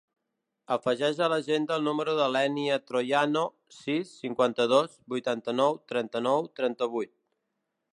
Afegeix a l'agenda el número de l'Ènia Troyano: sis, cinquanta-dos, vuitanta-nou, trenta-nou, trenta-vuit.